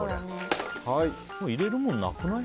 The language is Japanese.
入れるもの、もうなくない？